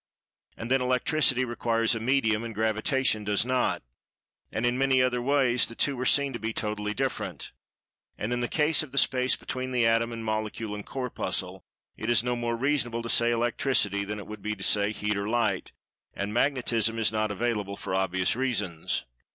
And then Electricity requires a "medium" and Gravitation does not, and in many other ways the two are seen to be totally different. And in the case of the Space between the Atom and Molecule and Corpuscle, it is no more reasonable to say "Electricity" than it would be to say "Heat" or "Light"; and "Magnetism" is not available for obvious reasons.